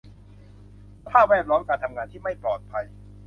สภาพแวดล้อมการทำงานที่ไม่ปลอดภัย